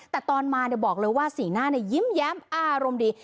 แต่ตอนมาบอกเลยว่าสีหน้ายิ้มแย้มอารมณ์ดี